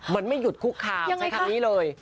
มันไม่หยุดคุกคามใช้คำนี้เลย